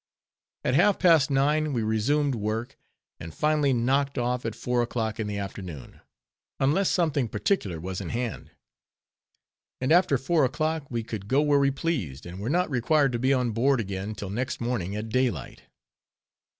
At half past nine we resumed work; and finally knocked off at four o'clock in the afternoon, unless something particular was in hand. And after four o'clock, we could go where we pleased, and were not required to be on board again till next morning at daylight.